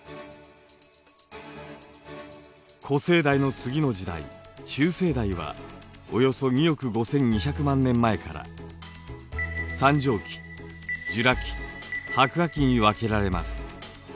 古生代の次の時代中生代はおよそ２億５，２００万年前から三畳紀ジュラ紀白亜紀に分けられます。